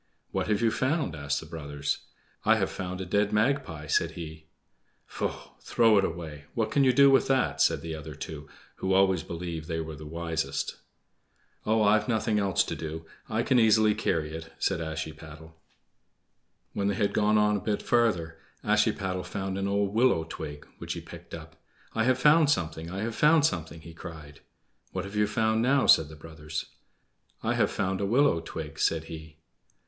"What have you found?" asked the brothers. "I have found a dead magpie," said he. "Faugh! throw it away; what can you do with that?" said the other two, who always believed they were the wisest. "Oh, I've nothing else to do. I can easily carry it," said Ashiepattle. When they had gone on a bit farther Ashiepattle found an old willow twig, which he picked up. "I have found something! I have found something!" he cried. "What have you found now?" said the brothers. "I have found a willow twig," said he.